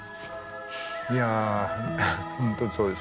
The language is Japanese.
いや本当そうです。